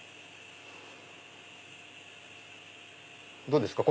どうですか？